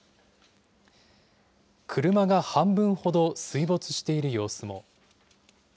車が半分ほど水没している様子も。